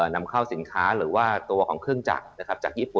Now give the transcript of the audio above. นำเข้าสินค้าหรือว่าตัวของเครื่องจักรนะครับจากญี่ปุ่น